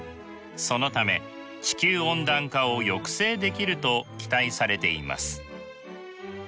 そのため地球温暖化を抑制できると期待されています。